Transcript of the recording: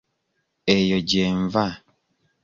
Eyo gye nva.